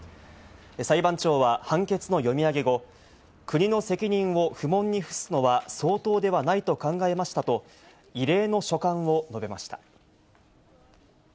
裁判長は判決の読み上げ後、国の責任を不問に付すのは相当ではないと考えましたと、異例の所感を述べました。